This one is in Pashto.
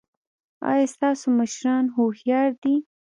ایا ستاسو مشران هوښیار دي؟